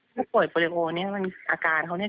ผู้ป่วยโปรลิโอเนี่ยมันอาการเขาเนี่ย